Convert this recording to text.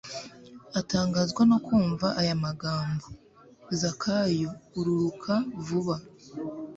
atangazwa no kumva aya magambo “Zakayo ururuka vuba,